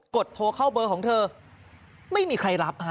ดโทรเข้าเบอร์ของเธอไม่มีใครรับฮะ